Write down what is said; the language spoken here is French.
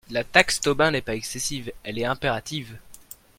La taxe Tobin n’est pas excessive, elle est impérative.